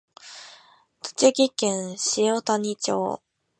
栃木県塩谷町